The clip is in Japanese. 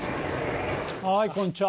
はいこんにちは。